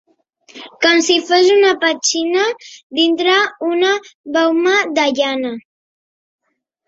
Com si fos una petxina dintre una bauma de llana